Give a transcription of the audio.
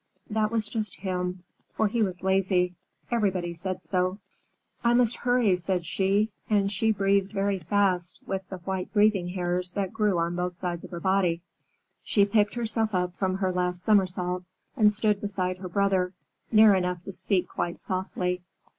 That was just him, for he was lazy. Everybody said so. "I must hurry," said she, and she breathed very fast with the white breathing hairs that grew on both sides of her body. She picked herself up from her last somersault and stood beside her brother, near enough to speak quite softly.